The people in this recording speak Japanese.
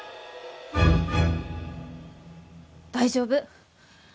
大丈夫。